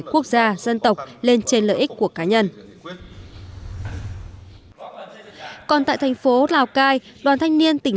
quốc gia dân tộc lên trên lợi ích của cá nhân còn tại thành phố lào cai đoàn thanh niên tỉnh